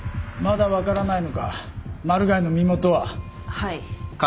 はい。